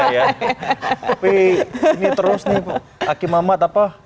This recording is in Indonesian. tapi ini terus nih aki mamat apa